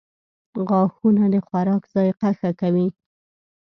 • غاښونه د خوراک ذایقه ښه کوي.